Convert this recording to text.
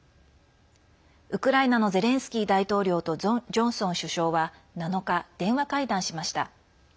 ウクライナのゼレンスキー大統領とジョンソン首相は７日、電話会談しました。